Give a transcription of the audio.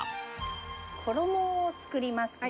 衣を作りますね。